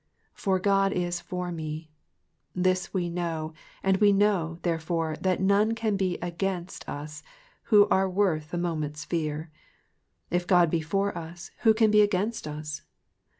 ''^For God is for me.^^ This we know, and we know, therefore, that none can be against us who are worth a moment^s fear. *' If God be for us, who can be against us